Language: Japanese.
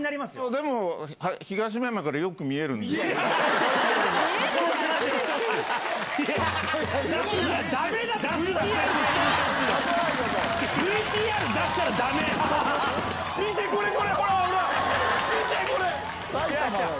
でも東村山からよく見えるん違う、違う。